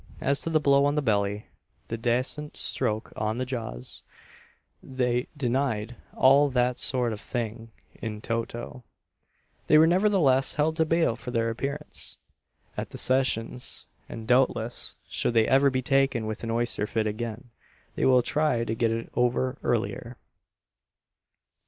As to the blow on the belly, the dacent stroke on the jaws, &c., they denied all that sort of thing in toto. They were nevertheless held to bail for their appearance at the sessions; and, doubtless, should they ever be taken with an oyster fit again, they will try to get it over earlier.